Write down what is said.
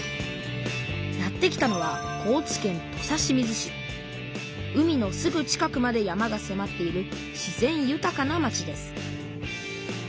やって来たのは海のすぐ近くまで山がせまっている自然ゆたかな町です